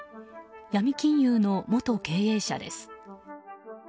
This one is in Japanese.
ヤミ金融の元経営者です。